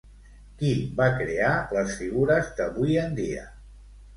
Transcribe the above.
Qui va crear les figures d'avui en dia?